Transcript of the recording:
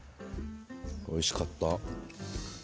おいしかった。